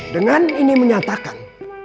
dengan ini menyatakan